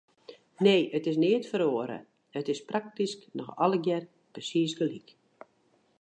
Nee, it is neat feroare, it is praktysk noch allegear persiis gelyk.